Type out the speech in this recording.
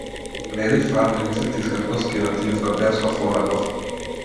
Бледи фармерици, дискретно скинати изнад десно колено.